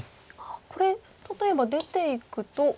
これ例えば出ていくと。